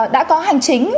đã có hành chính